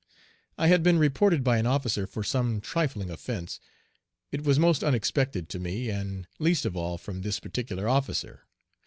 I had been reported by an officer for some trifling offence. It was most unexpected to me, and least of all from this particular officer.